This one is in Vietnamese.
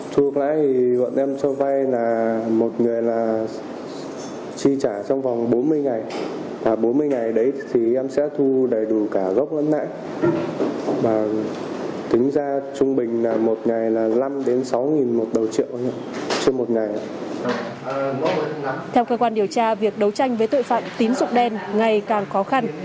theo cơ quan điều tra việc đấu tranh với tội phạm tín dụng đen ngày càng khó khăn